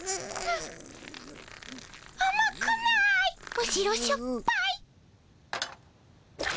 むしろしょっぱい。